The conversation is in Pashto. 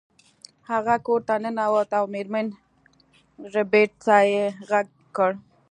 هغه کور ته ننوت او میرمن ربیټ ته یې غږ کړ